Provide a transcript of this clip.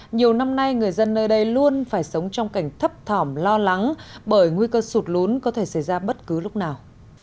nhiều năm nay người dân nơi đây luôn phải sống trong cảnh thấp thỏm lo lắng bởi nguy cơ sụt lún có thể xảy ra bất cứ lúc nào